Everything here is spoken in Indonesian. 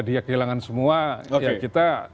dia kehilangan semua kita